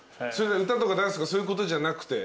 歌とかダンスとかそういうことじゃなくて？